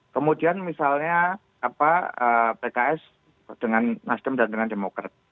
kemudian misalnya pks dengan nasdem dan dengan demokrat